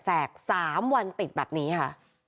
๓วันติดแบบนี้ค่ะ